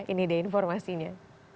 ini deh informasinya